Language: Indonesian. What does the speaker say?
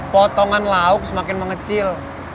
potongan lauk semakin mengecil